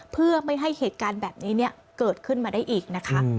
เพื่อไม่ให้เหตุการณ์แบบนี้เกิดขึ้นมาได้อีกนะคะ